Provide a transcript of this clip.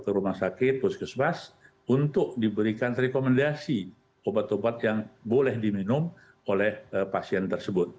ke rumah sakit puskesmas untuk diberikan rekomendasi obat obat yang boleh diminum oleh pasien tersebut